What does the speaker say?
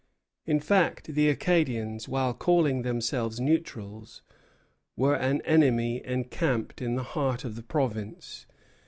In fact, the Acadians, while calling themselves neutrals, were an enemy encamped in the heart of the province.